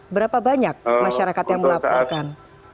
berapa banyak masyarakat yang melaporkan